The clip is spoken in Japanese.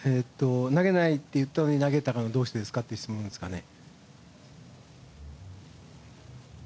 投げないと言ったのに投げたのはどうしてですか？という質問ですかね？